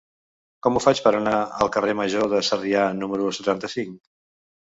Com ho faig per anar al carrer Major de Sarrià número setanta-cinc?